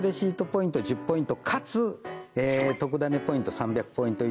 ポイント１０ポイントかつトクダネポイント３００ポイント